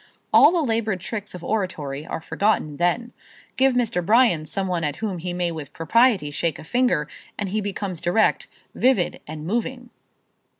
All the labored tricks of oratory are forgotten then. Give Mr. Bryan some one at whom he may with propriety shake a finger and he becomes direct, vivid and moving.